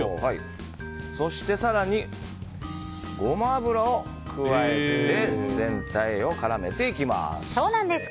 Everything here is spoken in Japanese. そして、更にゴマ油を加えて全体を絡めていきます。